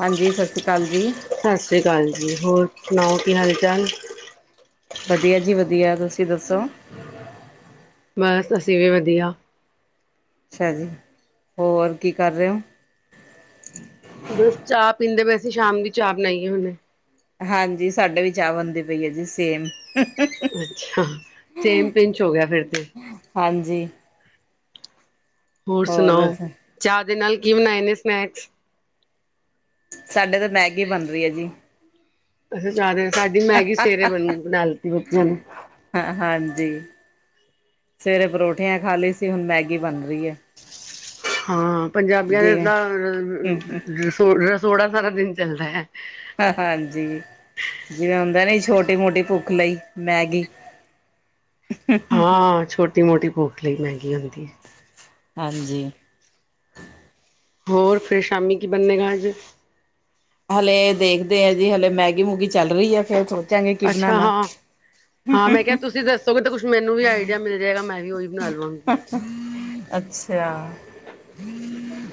ਹਾਂਜੀ ਸਤਿ ਸ਼੍ਰੀ ਅਕਾਲ ਜੀ। ਸਤਿ ਸ਼੍ਰੀ ਅਕਾਲ ਜੀ, ਹੋਰ ਸੁਣਾਓ ਕੀ ਹਾਲ ਚਾਲ। ਵਧੀਆ ਜੀ ਵਧੀਆ ਤੁਸੀਂ ਦੱਸੋ? ਬਸ ਅਸੀਂ ਵੀ ਵਧੀਆ। ਅੱਛਾ ਜੀ, ਹੋਰ ਕੀ ਕਰ ਰਹੇ ਹੋ? ਬਸ ਚਾਹ ਪੀਂਦੇ ਪਏ ਸੀ। ਸ਼ਾਮ ਦੀ ਚਾਹ ਬਣਾਈ ਹੁਣੇ। ਹਾਂਜੀ ਸਾਡੇ ਵੀ ਚਾਹ ਬਣਦੀ ਪਈ ਐ ਜੀ ਸੇਮ। ਅੱਛਾ। ਸੇਮ ਪਿੰਚ ਹੋ ਗਿਆ ਫਿਰ ਤੇ ਹਾਂਜੀ। ਹੋਰ ਸੁਣਾਓ ਚਾਹ ਦੇ ਨਾਲ ਕੀ ਬਣਾਏ ਨੇ ਸਨੈਕਸ? ਸਾਡੇ ਤਾਂ ਮੈਗੀ ਬਣ ਰਹੀ ਐ ਜੀ। ਅਂ ਚਾਹਦੇ ਸਾਡੀ ਮੈਗੀ ਸਵੇਰੇ ਬਣੀ ਬਣਾ ਲਤੀ ਬੱਚਿਆਂ ਨੇ ਹਾਂ ਹਾਂਜੀ ਸਵੇਰੇ ਪਰੋਠੀਆਂ ਖਾ ਲਈ ਸੀ ਹੁਣ ਮੈਗੀ ਬਣ ਰਹੀ ਏ ਹਾਂ ਪੰਜਾਬੀਆਂ ਦੇ ਜਿਵੇਂ ਤਾ ਹਮ ਥੋੜਾ ਸਾਰਾ ਦਿਨ ਚੱਲਦਾ। ਹਾਂਜੀ। ਜਿਵੇਂ ਹੁੰਦਾ ਨੀ ਛੋਟੀ ਮੋਟੀ ਭੁੱਖ ਲਈ ਮੈਗੀ ਹਾਂ ਛੋਟੀ ਮੋਟੀ ਭੂੱਖ ਲਈ ਮਹਿੰਗੀ ਹੁੰਦੀ। ਹਾਂਜੀ। ਹੋਰ ਫਿਰ ਸ਼ਾਮੀ ਕੀ ਬੰਨੇਗਾ ਅੱਜ। ਹਲੇ ਦੇਖਦੇ ਆ ਜੀ ਹਲੇ ਮੈਗੀ ਮੂਗੀ ਚੱਲ ਰਹੀ ਐ ਫਿਰ ਸੋਚਾਂਗੇ ਕੀ ਅੱਛਾ ਬਣਾਣਾ। ਹਾਂ ਹਾਂ ਮੈਂ ਕਿਹਾ ਤੁਸੀਂ ਦੱਸੋਗੇ ਤਾਂ ਕੁਛ ਮੈਨੂੰ ਵੀ ਆਈਡੀਆ ਮਿਲ ਜਾਏਗਾ ਮੈਂ ਵੀ ਉਹੀ ਬਣਾ ਲਵਾਂਗੀ। ਅੱਛਾ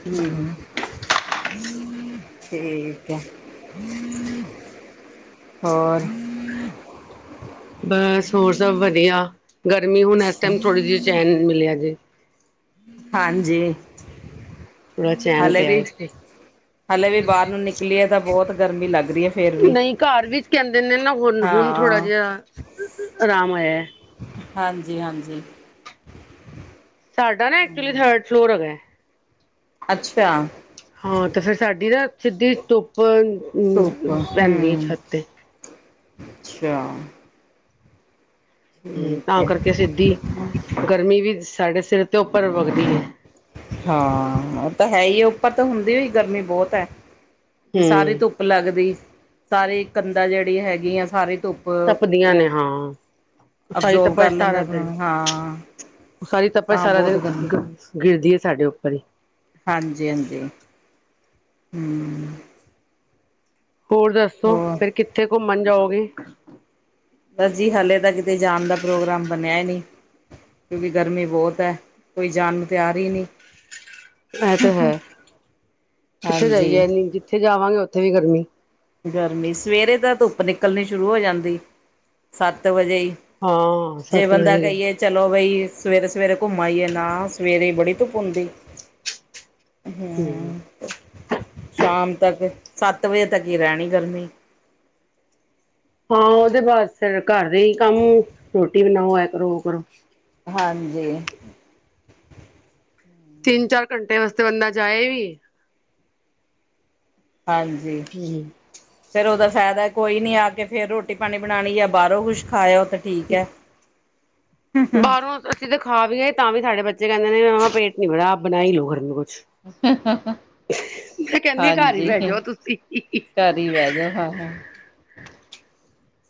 ਹਮ ਠੀਕ ਹੋਰ ਬਸ ਹੋਰ ਸਭ ਵਧੀਆ ਗਰਮੀ ਹੁਣ ਇਸ ਟਾਈਮ ਥੋੜ੍ਹੀ ਜਿਹੀ ਚੈਨ ਮਿਲਿਆ ਜੇ। ਹਾਂਜੀ। ਥੋੜਾ ਚੈਨ ਹਲੇ ਵੀ ਪਿਆ ਸੀ। ਹਲੇ ਵੀ ਬਾਹਰ ਨੂੰ ਨਿਕਲੀ ਏ ਤਾਂ ਬਹੁਤ ਗਰਮੀ ਲੱਗ ਰਹੀ ਐ ਫੇਰ ਵੀ। ਨਹੀਂ ਘਰ ਵਿੱਚ ਕਹਿੰਦੇ ਦੇ ਨੇ ਨਾ ਹੁਣ-ਹੁਣ ਥੋੜਾ ਹਾਂ ਜਿਹਾ ਆਰਾਮ ਆਇਆ। ਹਾਂਜੀ-ਹਾਂਜੀ। ਸਾਡਾ ਨਾ ਐਕਚੁਲੀ ਥਰਡ ਫਲੋਰ ਹੈਗਾ। ਅੱਛਾ। ਹਾਂ ਤੇ ਫਿਰ ਸਾਡੀ ਨਾ ਸਿੱਧੀ ਧੁੱਪ ਧੁੱਪ ਅ ਪੈਂਦੀ ਐ ਹਮ ਛੱਤ ਤੇ ਅੱਛਾ। ਹੂੰ, ਠੀਕ ਤਾਂ ਹੈ ਕਰਕੇ ਸਿੱਧੀ ਗਰਮੀ ਵੀ ਸਾਡੇ ਸਿਰ ਤੇ ਉੱਪਰ ਵਗਦੀ ਏ ਹਾਂ ਉਹ ਤਾਂ ਹੈਈ ਉੱਪਰ ਤਾਂ ਹੁੰਦੀ ਵੀ ਗਰਮੀ ਬਹੁਤ ਹੈ ਤੇ ਸਾਰੀ ਹਮ ਧੁਪ ਧੁੱਪ ਲੱਗਦੀ, ਸਾਰੀ ਕੰਧਾਂ ਜਿਹੜੀ ਹੈਗੀ ਆ ਸਾਰੀ ਧੁੱਪ ਤਪਦੀਆਂ ਉਹ ਨੇਂ, ਹਾਂ। ਸਾਰੀ ਅਬਜ਼ੋਰਵ ਕਰ ਤਪਸ਼ ਲੈਂਦਾ ਸਤਾਰਾਂ ਦਿਨ ਆਪਣਾ ਹਾਂ [unintelligible] ਸਾਰੀ ਤਪਸ ਤਾਂ ਸਤਾਰਾ ਬਹੁਤ ਦਿਨ ਗਰਮੀ ਗਿਰਦੀ ਐ ਸਾਡੇ ਉੱਪਰ ਈ। ਹਾਂਜੀ, ਹਾਂਜੀ। ਹਂ ਹੋਰ ਦੱਸੋ ਹੋਰ ਫੇਰ ਕਿੱਥੇ ਘੁੰਮਣ ਜਾਓਗੇ? ਬਸ ਜੀ ਹਲੇ ਤਾਂ ਕਿਤੇ ਜਾਣ ਦਾ ਪ੍ਰੋਗਰਾਮ ਬਣਿਆ ਈ ਨਈਂ। ਕਿਉਂਕਿ ਗਰਮੀ ਬਹੁਤ ਐ, ਕੋਈ ਜਾਨ ਨੂੰ ਤਿਆਰ ਈ ਨਈਂ। ਇਹ ਤੇ ਹੈ, ਕਿੱਥੇ ਜਾਈਏ ਹਾਂਜੀ ਇਨੀ ਜਿੱਥੇ ਜਾਵਾਂਗੇ ਉੱਥੇ ਵੀ ਗਰਮੀ ਗਰਮੀ ਸਵੇਰੇ ਤਾਂ ਧੁੱਪ ਨਿਕਲਣੀ ਸ਼ੁਰੂ ਹੋ ਜਾਂਦੀ ਸੱਤ ਵਜੇ ਈ ਹਾਂ ਜੇ ਸੱਤ ਬੰਦਾ ਵਜੇ ਕਹੀਏ ਚਲੋ ਬਈ ਸਵੇਰੇ, ਸਵੇਰੇ ਘੁੰਮ ਆਈਐ ਨਾਂ ਸਵੇਰੇ ਬੜੀ ਧੁੱਪ ਹੁੰਦੀ। ਹਮ ਹਂ, ਸ਼ਾਮ ਤੱਕ। ਸੱਤ ਵਜੇ ਤੱਕ ਈ ਰਹਿਣੀ ਗਰਮੀ ਹਾਂ ਉਹਦੇ ਬਾਅਦ ਫਿਰ ਘਰ ਦੇ ਈ ਕੰਮ, ਰੋਟੀ ਬਣਾਓ ਐ ਕਰੋ, ਉਹ ਕਰੋ। ਹਾਂਜੀ। ਤਿੰਨ-ਚਾਰ ਘੰਟੇ ਵਾਸਤੇ ਬੰਦਾ ਜਾਏ ਵੀ ਹਾਂਜੀ। [unintelligible] ਫੇਰ ਉਹਦਾ ਫਾਇਦਾ ਕੋਈ ਨੀਂ, ਆ ਕੇ ਫੇਰ ਰੋਟੀ-ਪਾਣੀ ਬਣਾਣੀ ਜਾਂ ਬਾਹਰੋਂ ਕੁੱਛ ਖਾ ਆਇਔ। ਤਾਂ ਠੀਕ ਐ। ਬਾਹਰੋਂ ਅਸੀਂ ਤਾਂ ਖਾਵੀ ਆਇਏ ਤਾਂ ਵੀ ਸਾਡੇ ਬੱਚੇ ਕਹਿੰਦੇ ਨੇ ਮ ਪੇਟ ਨੀਂ ਭੜਾ ਆਪ ਬਣਾ ਈ ਲੋਓ ਕੁਛ [unintelligible] ਮੈਂ ਕਹਿੰਦੀ ਆ ਘਰ ਹੀ ਹਾਂਜੀ ਬਹਿ ਜਾਓ ਤੁਸੀਂ ਕਰ ਬਹਿ ਜਾਓ ਹਾਂ, ਹਾਂ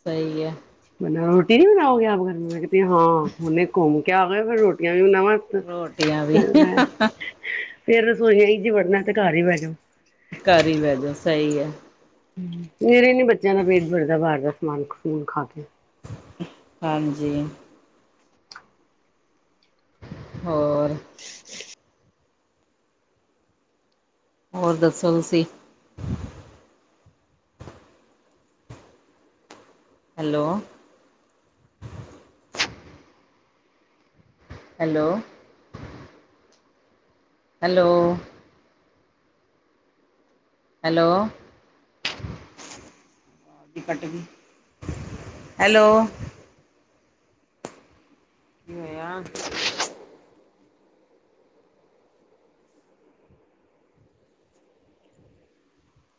ਸਹੀ ਹੈ। [unintelligible] ਰੋਟੀ ਨਹੀਂ ਬਣਾਓਗੇ ਆਪ, ਘਰ ਮੈਂ ਕੀ ਹਾਂ ਹੁਨੇ ਘੁੰਮ ਕੇ ਆ ਗਏ, ਫਿਰ ਰੋਟੀਆਂ ਵੀ ਬਣਾਵਾਂ। ਰੋਟੀਆਂ ਵੀ [unintelligible] ਫੇਰ ਰਸੋਈ ਚ ਵੜਨਾ ਏ ਤੇ ਘਰ ਈ ਬਹਿ ਜਓ। ਕਰ ਹੀ ਬੈਅ ਜਓ, ਸਹੀ ਐ। ਹਂ, ਮੇਰੇ ਨੀਂ ਬੱਚਿਆਂ ਦਾ ਪੇਟ ਵਰਦਾ ਬਾਹਰ ਦਾ ਸਮਾਨ- ਸਮੂਨ ਖਾ ਕੇ। ਹਾਂਜੀ। ਹੋ [unintelligible] ਹੋਰ ਦੱਸੋ ਤੁਸੀਂ। ਹੈਲੋ। ਹੈਲੋ। ਹੈਲੋ ਹੈਲੋ [unintelligible] [unintelligible] ਕੱਟ ਗਈ। ਹੈਲੋ ਕਿ ਹੋਇਆ?